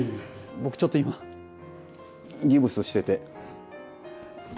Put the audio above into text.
僕ちょっと今ギプスしてて。